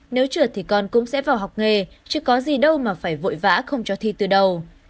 nếu trượt thì con cũng sẽ vào học nghề chưa có gì đâu mà phải vội vã không cho thi từ đầu